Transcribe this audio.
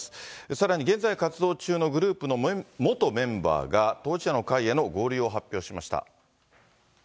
さらに現在活動中のグループの元メンバーが、当事者の会への合流を発表しました。